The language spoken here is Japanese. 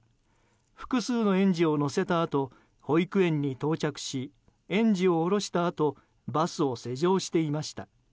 複数の園児を乗せたあと保育園に到着し園児を降ろしたあとバスを施錠していました。